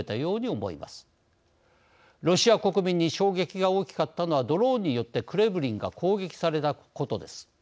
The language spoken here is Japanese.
ロシア国民に衝撃が大きかったのはドローンによってクレムリンが攻撃されたことです。